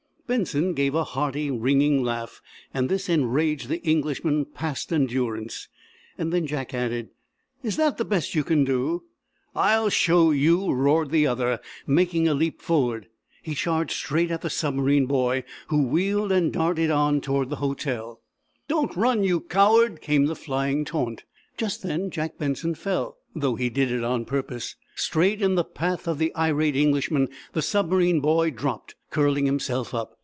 Benson gave a hearty ringing laugh and this enraged the Englishman past endurance. Then Jack added, "Is that the best you can do?" "I'll show you!" roared the other, making a leap forward. He charged straight at the submarine boy, who wheeled and darted on toward hotel. "Don't run, you coward!" came the flying taunt. Just then Jack Benson fell, though he did it on purpose. Straight in the path of the irate Englishman the submarine boy dropped, curling himself up.